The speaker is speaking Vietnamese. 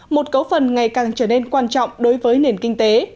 một cấu phần ngày càng trở nên quan trọng đối với nền kinh tế